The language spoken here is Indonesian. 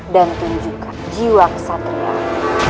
dan tunjukkan jiwa kesatriaan